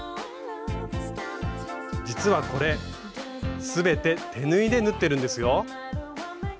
実はこれ全て手縫いで縫ってるんですよ。